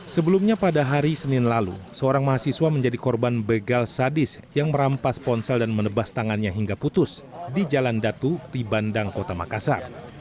sebelumnya pada hari senin lalu seorang mahasiswa menjadi korban begal sadis yang merampas ponsel dan menebas tangannya hingga putus di jalan datu di bandang kota makassar